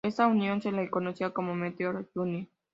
Esta unión se le conocía como Meteor-Junín.